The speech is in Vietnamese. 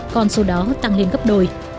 con số đó tăng lên gấp đôi